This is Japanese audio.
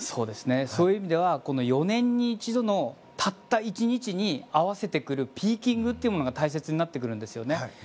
そういう意味では４年に一度のたった１日に合わせてくるピーキングが大切になってくるんですよね。